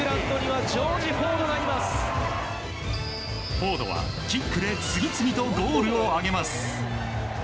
フォードはキックで次々とゴールを挙げます。